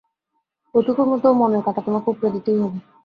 এইটুকুর মধ্যে ওঁর মনের কাঁটা তোমাকে উপড়ে দিতেই হবে।